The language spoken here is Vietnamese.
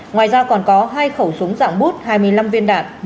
ngoài ra còn có hai khẩu súng dạng bút hai mươi năm viên đạn